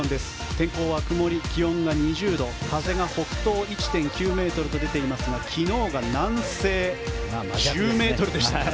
天候は曇り気温が２０度風が北東１．９ｍと出ていますが昨日が南西１０ｍでした。